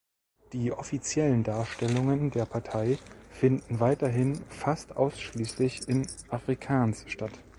Die offiziellen Darstellungen der Partei finden weiterhin fast ausschließlich in Afrikaans statt.